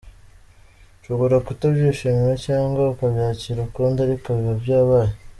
Ushobora kutabyishimira cyangwa ukabyakira ukundi ariko biba byabaye.